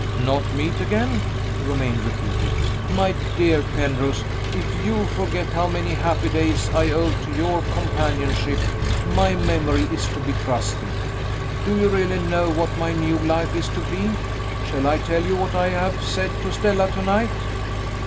"Not meet again?" Romayne repeated. "My dear Penrose, if you forget how many happy days I owe to your companionship, my memory is to be trusted. Do you really know what my new life is to be? Shall I tell you what I have said to Stella to night?"